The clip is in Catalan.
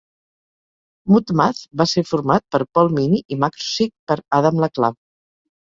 Mutemath va ser format per Paul Meany, i Macrosick per Adam LaClave.